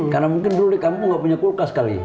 karena mungkin dulu di kampung nggak punya kulkas kali